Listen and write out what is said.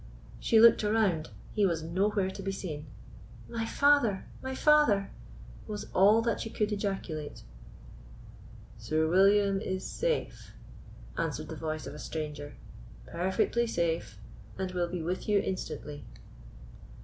She looked around; he was nowhere to be seen. "My father, my father!" was all that she could ejaculate. "Sir William is safe," answered the voice of a stranger—"perfectly safe, and will be with you instantly."